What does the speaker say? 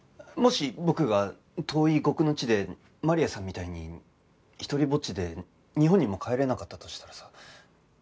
もし僕が遠い異国の地でマリアさんみたいに独りぼっちで日本にも帰れなかったとしたらさ